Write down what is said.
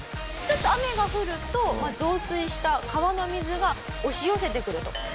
ちょっと雨が降ると増水した川の水が押し寄せてくると。